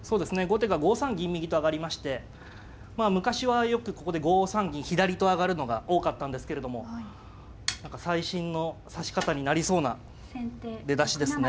後手が５三銀右と上がりまして昔はよくここで５三銀左と上がるのが多かったんですけれども何か最新の指し方になりそうな出だしですね。